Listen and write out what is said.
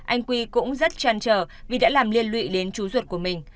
anh quy cũng rất chăn trở vì đã làm liên lụy đến chú ruột của mình